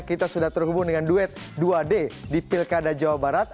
kita sudah terhubung dengan duet dua d di pilkada jawa barat